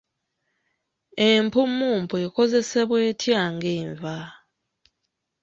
Empummumpu ekozesebwa etya ng’enva?